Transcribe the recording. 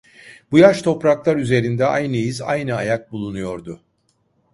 Bu yaş topraklar üzerinde aynı iz aynı ayak bulunuyordu.